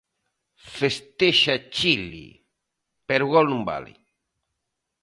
Festexa Chile, pero o gol non vale.